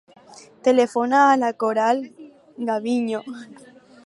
Telefona a la Coral Gaviño.